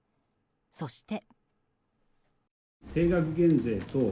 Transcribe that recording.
そして。